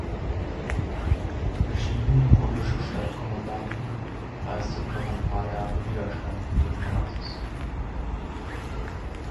Verschiedene gotische Stadtkommandanten leisteten noch ein paar Jahre Widerstand gegen Narses.